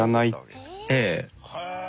へえ！